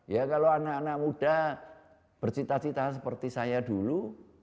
ya kalau anak anak muda bercita cita seperti saya dulu